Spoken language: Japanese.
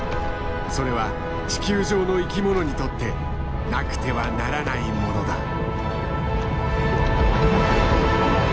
それは地球上の生きものにとってなくてはならないものだ。